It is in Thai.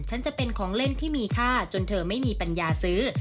ฉันจะเป็นของเล่นที่มีค่าจนเธอไม่มีปัญญาซื้อ